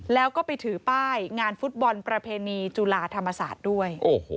แล้วก็ไปถือป้ายงานฟุตบอลประเพณีจุฬาธรรมศาสตร์ด้วย